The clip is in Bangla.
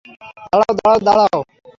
দাঁড়াও, দাঁড়াও, দাঁড়াও।